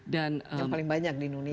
yang paling banyak di indonesia